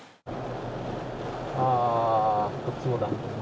あー、こっちもだ。